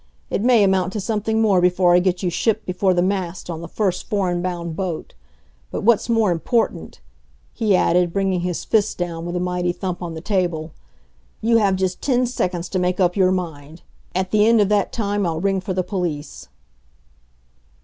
It may amount to something more before I get you shipped before the mast on the first foreign bound boat. But what's more important," he added, bringing his fist down with a mighty thump on the table, "you have just ten seconds to make up your mind. At the end of that time I'll ring for the police."